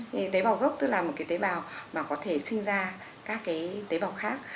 cái tế bào gốc tức là một cái tế bào mà có thể sinh ra các cái tế bào khác